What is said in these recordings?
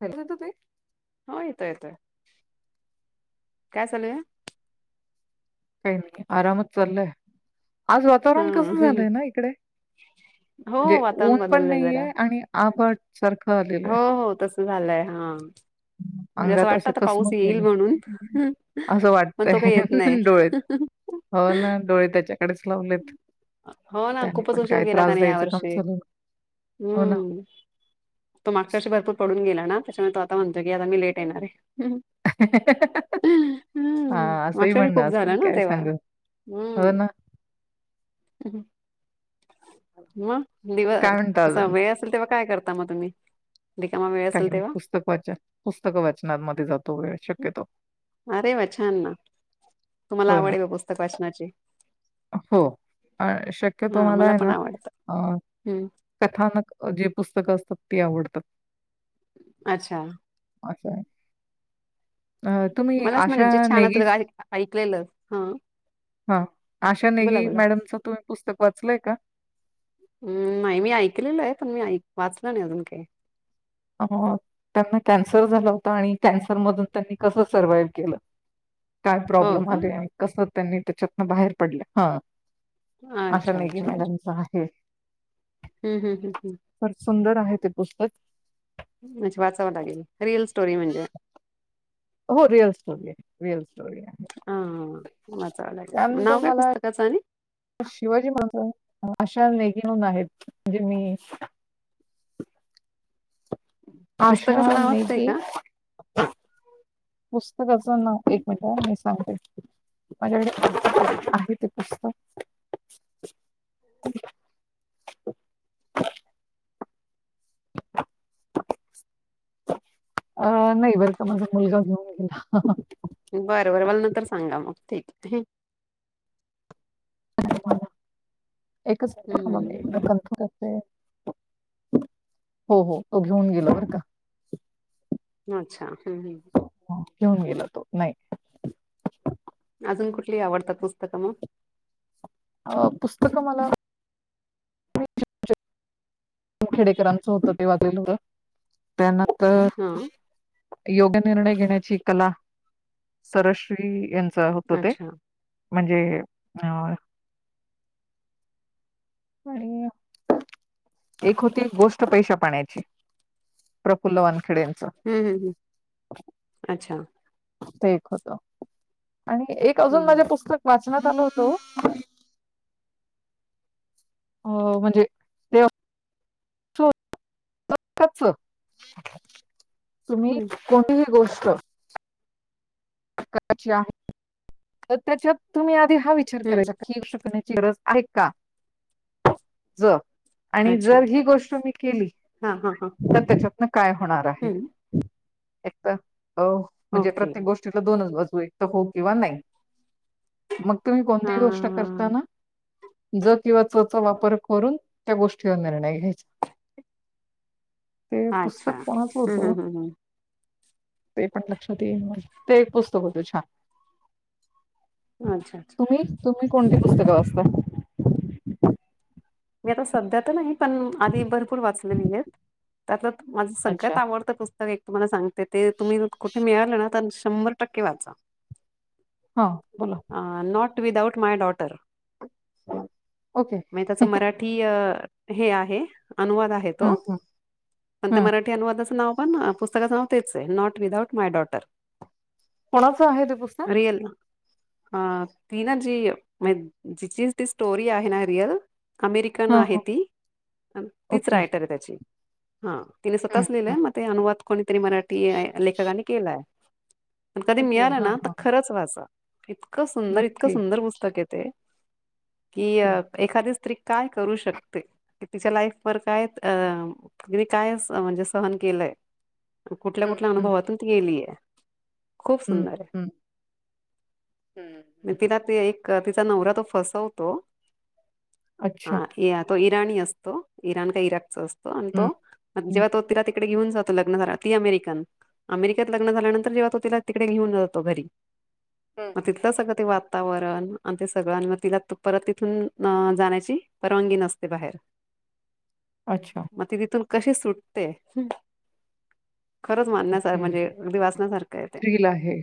ह त ते [unintelligible] हो येतोय येतोय काय चालूया काही नाही आरामच चाललय आज वातावरण कसं झालंय हा ना इकडे म्हणजे हो ऊन वातावरण पण बदललंय जरा नाहीे आणि आभट सारखं आलेलं हो आहे हो तसं झालंय हा म्हणजे अंगात वाटत असं आता पाऊस कसमत येईल झालय म्हणून असं पण तो वाटतय काही येत नाही डोळे हो ना डोळे त्याच्याकडेच लावले हो ना त्याने खूपच पण उशीर काय गेला त्रास त्याने द्यायचं यावर्षी कामचालून हम्म तो मागच्या वर्षी भरपूर पडून गेला ना त्याच्यामुळे तो आता म्हण जग आ मी ललेट येईणार र हम् हा असंही मागच्या वर्षी म्हणणं खूप असेल झालं ना काय तेव्हा सांग हो हम्म ना मग दिव काय म्हणता असा अजून वेळ असेल तेव्हा काय करता मग तुम्ही रिकामा वेळ काही असेल नाही तेव्हा पुस्तक वाचन पुस्तक वाचनामध्येध्ये जातो वेळ शक्यतो अरे वा छान ना तुम्हाला हो ना आवडे ब पुस्तक वाचनाची हो अ शक्यतो हा मला आहे पण ना आवडतं. अ हम्म कथानक जे पुस्तकं असतात ती आवडतात अच्छा [inaudible] तुम्ही मलाच म्हणजे आशा जे छान नेगी असत ऐकलेलं हा हा आशा नेगी बोला बोला. मॅडमचं तुम्ही पुस्तक वाचलय का हम् नाही मी ऐकलेलो आहे पण मी वाचलं नाही अजून काही त्यांना कॅन्सर झाला होता आणि कॅन्सर मधून त्यांनी कसं सर्वाइव्ह केलं काय हो प्रॉब्लेम का? आले कसं त्यांनी त्याच्यातन बाहेर पडलं हा अशा अच्छा मेघी अच्छा अच्छा मॅडमचं आहे. हम्म हम्म हम्म फार सुंदर आहे ते पुस्तक म्हंजे वाचावं लागेल रियल स्टोरी म्हणजे? हो रिअल्स स्टोरी आहे रिअल्स--... हा हा वाचावं लागेल त्यानंतर नाव काय मला पुस्तकाचं आणि शिवाजी महाराज अशा नेगीहून आहेत म्हणजे मी [unintelligible] आशा पुस्तकाचं नावच ते का? मेघे पुस्तक पुस्तकाचे नाव एक मिनिट मी सांगते माझ्याकडे हम् आहे ते पुस्तक [unintelligible] अं नाही बरं का माझा मुलगा घेऊन गेला बरं बरं मला नतर सांगा मग ठीक आहे. [inaudible] एकच मिनिट थांबा मी हम्म कनफाॅम करते. हो हो तो घेऊन गेला बरं का अच्छा हम् घेऊन गेल तो नाही अजून कुठली आवडतात पुस्तक मग अ पुस्तक मला [inaudible] खेडेकरांच होत ते वाचलेलं होत त्यांना नंत हा तर योग्य निर्णय घेण्याची कला सरश्री यांच चअ होत ते अच्छा म्हणजे अ आणि एक होती गोष्ट पैशा पाण्याची प्रफुलनवान हम्म हम् हम् अच्छा. ते एक होत आणि एक अजून हम्म माझे पुस्तक वा वाचण्यात आलं होत व्हं अ म्हणजे तेव [inaudible] तुम्ही हम्म कोणतीही गोष्ट हो. क आहे तर त्याच्यात तुम्ही आधी हा विचार हम्म करायचा येऊ शकत नाही. गरज आहे का जर आणि अच्छा जर ही गोष्ट मी केली. हा हा हा तर त्याच्यातन काय होणार आहे. हम्म एक तर अ म्हणजे ओके प्रत्येक गोष्टीला दोन बाजू एक तर हो किंवा नाही. मग तुम्ही हा कोणतीही गोष्ट करताना ज किंवा चचा वापर करून त्या गोष्टीवर निर्णय घ्यायचा ते हा पुस्तक अच्छा कोणाचं होतं हम्म वो हम्म हम्म ते पण लक्षात येईना ते एक पुस्तक होत छान हम्म अच्छा अच्छा तुम्ही तुम्ही कोणती पुस्तकं वाचत्याय मी आता सध्या तर नाही पण आधी भरपूर वाचलेली आहेत त्यातंच माझं अच्छा सगळ्यात आवडतं पुस्तक एक तुम्हाला सांगते ते तुम्ही कुठे मिळाले ना तर शंभर टक्के वाचा. हा बोला विदाऊट माय डॉटर ओके. असं मराठी हे आहे. अनुवाद आहे तो हं, हं, पण त्या हं. मराठी अनुवादाचं नाव पण पुस्तकाचे नाव तेच नॉट विदाऊट माय डॉटर कोणाचं आहे ते पुस्तक? हा ती ना जी म जिि ती स्टोरी आहे ना ररियाद. अमेरिकन हां, आहे हां. ती तीच ओके. रायटर आहे त्याची हा तिने हं, स्वतःच लिहिलंय हं. मग ते अनुवाद कोणी तिरी मराठी लेखकानी केलाय. पण कधी ओके. मिळालं हां, ना तर हां. खरंच वाचा इतकं सुंदर इतकं नक्की. सुंदर पुस्तक य ते कि अ ओके. एखाद. काय करू शकते तिच्या लाईफ व काय त काय म्हणजे सह गलंय कुठल्या हं, कुठल्या हं, अनुभवातून ती गेलीय. खूप हं, सुंदर आहे हं, हं, म हं. तिला ते एक तिचा नवरा तो फसवतो अच्छा. तो इराणी असतो इराण का इराकचा असतो आणि हं, तोग हं, जेव तो तिरा तिकडे ेऊन जातो लग् झाला ती अमेरिकन अमेरिकेत लग्न झाल्यानंतर जेव्हा तिला तिकडे घेऊन जातो घरी हं. मग तिथलं सगळं ते वातावरण आणि ते सगळं मग तिला परत तिथून परवागी न बा अच्छा. मग कशी सुटते खरंच मानण्यासार ओके. म्हणजे अगदी वाचण्यासारखं आहे ते थ्रिल आहे.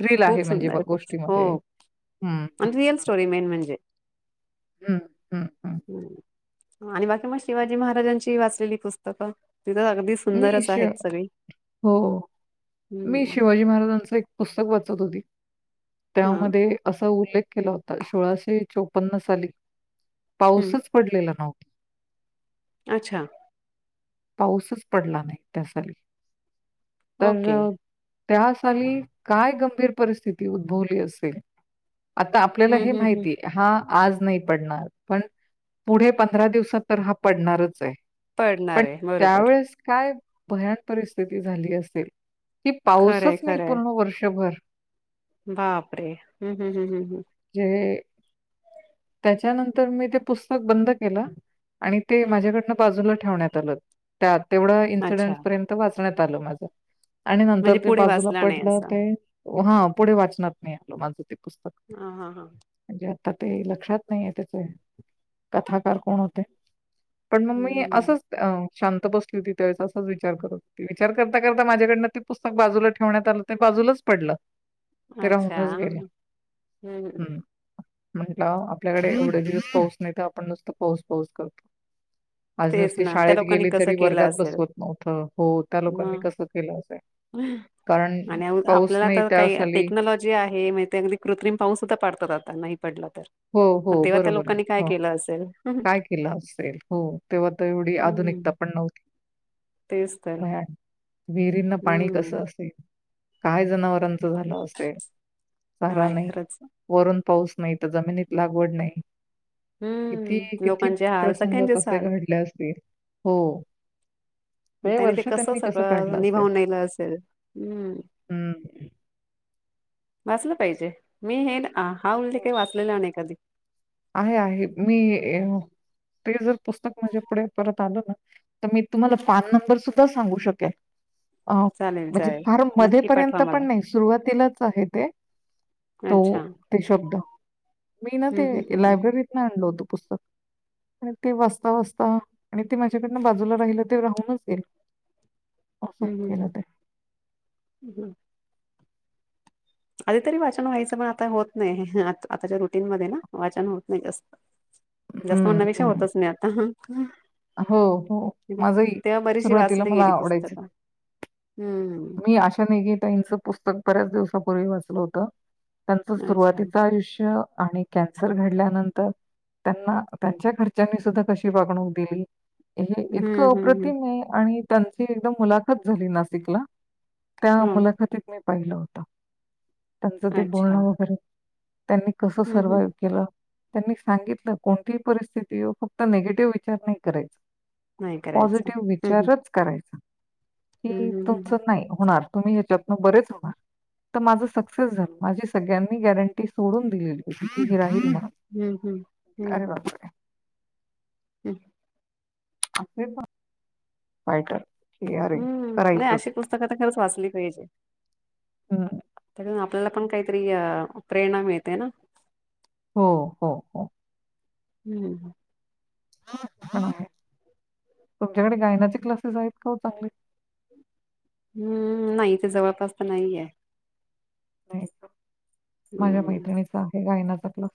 थ्रिल खूप म्हणजे सुंदर ब आहे खूप हो गोष्टीमध्ये. हं, म्ह हं, रिअल हं, स्टोरी मेन म्हणजे हं, हं, हं. आणि बाकी मग शिवाजी महाराजांची वाचलेली पुस्तकं तिथं अगदी मी सुंदरच शि आहेत सगळी हो मी हम्म शिवाजी महाराजांचं एक पुस्तक वाचत होती हा त्यामध्ये असा उल्लेख केला होता सोळाशे चौपन्न साली हम्म पाऊसच पडलेला नव्ह अच्छा पाऊसच पडला नाही त्या साली ओके तर त्या साली काय गंभीर परिस्थिती उद्भवली असेल आता आपल्याला हम्म हे हम्म हम्म माहितीय हा आज नाही पडणार पण पुढे पंधरा दिवसात तर हा पडणारच आहे पडणार पण आहे बरोबर त्यावेळेस काय भयान परिस्थिती झाली असेल की खरंय पाऊसच नाही खरंय पूर्ण वर्षभर बापरे हम् हम् हम् हम् हम् म्हणजे त्याच्यानंतर मी ते पुस्तक बंद केलं आणि ते हम्म माझ्याकडनं बाजूला ठेवण्यात आलं त्या तेवढं हम्म अच्छा इन्सिडेंट पर्यंत वाचण्यात आलं माझ आणि नंतर म्हणजे ते पुढे बाजूला वाचला नाही पडलं असा ते हा पुढे वाचनात नाय आल माझं ते पुस्तक हा हा हा म्हणजे आता ते लक्षात नाही आहे त्याचे कथाकार कोण होते पण मग मी हम्म असंच अ शांत बसली होती त्यावेळे असाच विचार करत हो विचार करता करता माझ्याकडनं ते पुस्तक बाजूला ठेवण्यात आलं ते बा जुलाच पडल ते अच्छा राहूनच गेलं हम्म म्हंटलं आपल्याकडे एवढे दिवस पाऊस नाही तर आपण नुसतं पाऊस पाऊस करतो आज तेच नुसती ना त्या शाळेत लोकांनी गेली कसं तरी केलं वर्गात असेल बसवत नव्हतं हो त्या लोकांनी मग कसं केलं असेल [unintelligible] कारण आणि पाऊस आपल्याला नाही आता त्या काही साली टेक्नॉलॉजी आहे म्ह ते अगदी कृत्रिम पाऊस सुद्धा पाडतात आता नाही पडलं तर हो पण हो तेव्हा त्या बरोबर आहे लोकांनी काय हो केलं असेल काय केलं असेल हो तेव्हा तर एवढी आधुनिकता हम्म पण नव्हती तेच तर भयानक विहिरींना पाणी हम्म कसं असेल काय जनावरांच झाल असेल चारा काय नाही खरंच वरून पाऊस नाही तर जमिनीत लागवड नाही किती हम्म किती लोकांचे हाल प्रसंग सगळ्यांचेच कसे हाल घडले असतील हो [inaudible] ते त्याने वर्ष त्यांनी कसं काढलं सगळं असेल निभावून नेलं असेल हम्म [inaudible] हम्म [inaudible] वाचलं पाहिजे मी हें आ हा उल्लेख काय वाचलेला नाय कधी. आहे आहे मी ते जर पुस्तक माझ्या पुढे परत आल ना तर मी तुम्हाला पान नंबर सुद्धा सांगू शकेल. अ चालेल म्हणजे चालेल फार नक्की पाठवा मध्येपर्यंत मला पण नाई सुरुवातीलाच आहे ते. तो अच्छा ते शब्द मी ना ते हम्म हम्म हम्म लायब्ररीतन आणलं होत. पुस्तक. आणि ते वाचता वाचता आणि ते माझ्याकडनं बाजूला राहिल ते राहूनच गेलं. असं हम्म होऊन हम्म गेलं ते. हम्म हम्म आधी तरी वाचन व्हायचं पण आता होत नाय आत आताच्या रुटीन मध्ये ना वाचन होत नाय जास्त. जास्त हं, म्हणण्यापेक्षा हं. होतच नाई आता. हो हो माझही तेव्हा बरीचशी सुरुवातीला वाचली मला गेली आवडायचं. पुस्तकं हम्म मी आशा निघे ताईचं पुस्तक बऱ्याच दिवसा प पुर्वी वाचल होत त्यांच अच्छा सुरवातीच आयुष्य आणि कॅन्सर घडल्यानंतर त्यांना त्यांच्या घरच्यांनी सुद्धा कशी वागणूक दिली. हे इतकं हम्म हम्म अप्रतिम ए आणि त्यांची एकदा मुलाखत झाली नाशिकला. त्या हम्म. मुलाखतीत मी पाहिलं होत, त्यांचं ह ते अच्छा बोलणं वगैरे. त्यांनी कसं हम्म हम्म सर्वाइव्ह केलं. त्यांनी सांगितलं कोणतीही परिस्थिती येऊ फक्त निगेटिव्ह विचार नाई करायचा. नाही करायचं पॉझिटिव्ह हम्म विचारच करायचा कि, हम्म हम्म तुमच हम्म. नाही होणार. तुम्ही ह्याच्यातनं बरेच होणार. तर माझं सक्सेस झालं माझी सगळ्यांनी गॅरंटी सोडून दिलेली हो [unintelligible] हम्म हम्म हम्म. हूं. [inaudible] हम्म नाय करायचंच अशी आहे. पुस्तकं तर खरंच वाचली पाहिजे हं. कारण आप आपल्याला पण काहीतरी अ प्रेरणा मिळते ना. हो हो हो. हम्म. [inaudible] तुमच्याकडे गायनाचे क्लासेस आहेत, का हो चांगले? हम्म नाई इथे जवळपास तर नाई ये. नाय का माझ्या हम्म मैत्रिणीच हे गायनाच क्लास.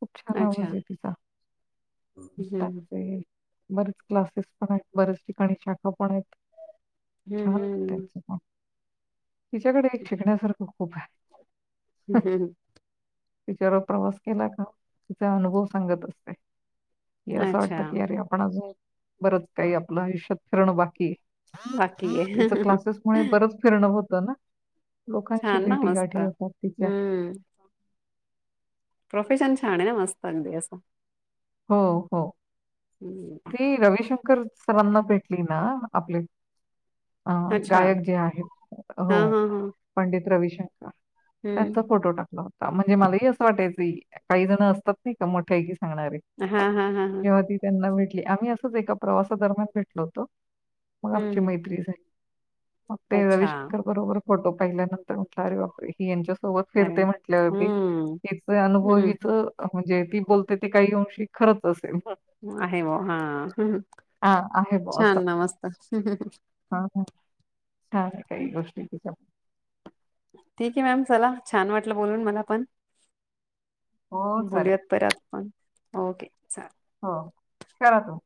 खूप छान अच्छा आवाज ए तिचा. हम्म. त्यांचे बरेच क्लासेस पण आहेत, बरेच ठिकाणी शाखा पण आहेत. छान हम्म हम्म. त्यांच पण. तिच्याकडे शिकण्यासारखं खूप हाय. हम्म हं. तिच्याबर प्रवास केला का तिचा अनुभव सांगत असते. की असं अच्छा वाटतं की, अरे आपण आजून बरंच काही आपलं आयुष्यात फिरणं बाकीए. बाकी तिच आहे. क्लासेस मुळे बरच फिरणं होत ना. लोकांशी छान ना भेटी मस्त. गाठी होतात. तिच्या हम्म. प्रोफेशन छान ये ना मस्त अगदी असं. हो हो हम्म, ती रविशंक कर सरांना भेटली ना आपले. अ अच्छा. गायक जे आहेत हो हां, हां, हां. पंडित रवी श हम्म, त्यांचा फोटो टाकलो. ता म्हणजे मलाही असं वाटायच की, काही जण असतात नाइ का मोठ्या ऐकी सांणारे. हा हा हा. भेटली आम्ही असंच एका प्रवासादरम्यान भेटलो होतो मग आमची हम्म, मैत्री झाली. मग ते अच्छा. रविशंकर बरोबर फोटो पाहिल्यानंतर अरे बापरे ही यांच्या. सोबत अरे फिरते म्हटल्यावरती हम्म, तिच अनुभव हम्म, हिच म्हणजे ती बोलते ती काही होऊन शिक खरच असेल. आहे व हा हां, आहे बुवा असं. छान ना मस्त. हां, हां. छान काही गोष्टी तच्या. ठीक आहे, मॅम चला छान वाटलं बोलून मला पण. हो चालेल. बोलूयात परत पण ओके चाले हो करा तू.